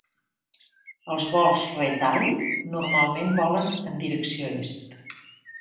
Els vols red-eye normalment volen en direcció est.